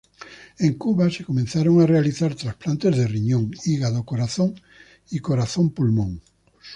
En Cuba se comenzaron a realizar trasplantes de riñón, hígado, corazón y corazón-pulmón.